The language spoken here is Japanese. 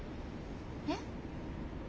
えっ？